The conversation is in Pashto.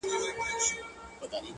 • نه مي علم نه هنر په درد لګېږي,